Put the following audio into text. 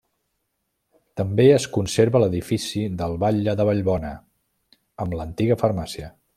També es conserva l'edifici del batlle de Vallbona, amb l'antiga farmàcia.